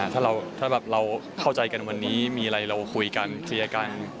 ถ้าเราเข้าใจกันวันนี้มีอะไรเราคุยกันเคลียร์กัน